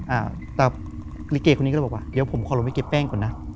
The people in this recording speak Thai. อ่าแต่ลิเกคนนี้ก็เลยบอกว่าเดี๋ยวผมขอลงไปเก็บแป้งก่อนนะ